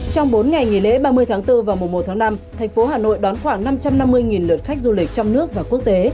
trong bốn ngày nghỉ lễ ba mươi tháng bốn và mùa một tháng năm thành phố hà nội đón khoảng năm trăm năm mươi lượt khách du lịch trong nước và quốc tế